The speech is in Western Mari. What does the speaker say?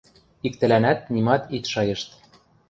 Иктӹлӓнӓт нимат ит шайышт.